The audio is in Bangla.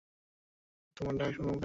তোমার ডাক শুনলুম কানে।